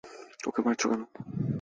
ওকে মারছো কেন?